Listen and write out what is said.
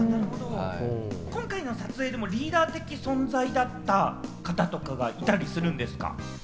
今回の撮影でもリーダー的存在だった方とかが、いたりするんですか？